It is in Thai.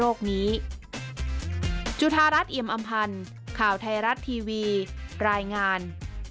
จุธารัฐเอียมอำพันธ์ข่าวไทยรัฐทีวีรายงาน